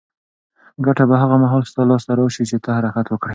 ګټه به هغه مهال ستا لاس ته راشي چې ته حرکت وکړې.